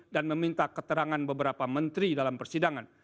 dan meminta keterangan beberapa menteri dalam persidangan